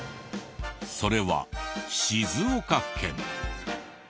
それは静岡県。